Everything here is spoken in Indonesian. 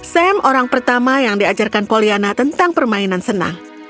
sam orang pertama yang diajarkan poliana tentang permainan senang